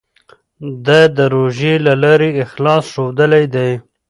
ده د روژې له لارې اخلاص ښودلی دی.